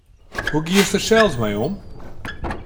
Hoe giest dêr sels mei om?